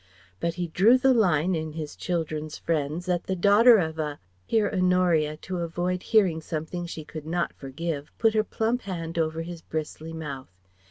But he drew the line in his children's friends at the daughter of a.... Here Honoria to avoid hearing something she could not forgive put her plump hand over his bristly mouth.